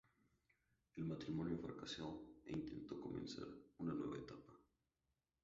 El matrimonio fracasó e intentó comenzar una nueva etapa.